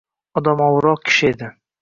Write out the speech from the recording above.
odamoviroq kishi edi.